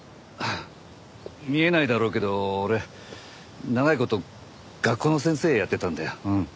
見えないだろうけど俺長い事学校の先生やってたんだよ。